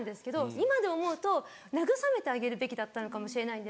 今で思うと慰めてあげるべきだったのかもしれないんですけど。